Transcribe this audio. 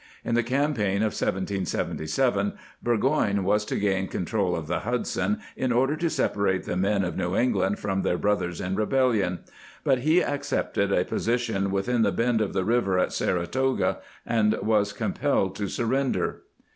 In the campaign of 1777 Burgoyne was to gain control of the Hudson in order to separate the men of New England from their brothers in rebellion ; but he accepted a po sition within the bend of the river at Saratoga and was compelled to surrender.